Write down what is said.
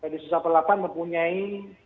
densus delapan puluh delapan mempunyai